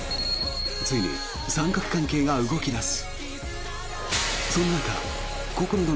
ついに三角関係が動き出す。